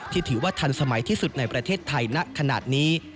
ถือว่าทันสมัยที่สุดในประเทศไทยณขนาดนี้